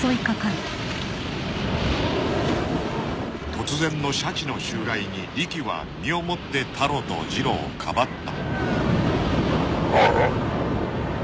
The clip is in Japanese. ［突然のシャチの襲来にリキは身をもってタロとジロをかばった］